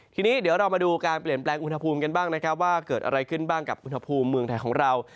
ทีนี้เดี๋ยวเรามาดูการเปลี่ยนแปลงอุณหภูมิกันบ้างนะครับว่าเกิดอะไรขึ้นบ้างกับอุณหภูมิเมืองไทยของเรา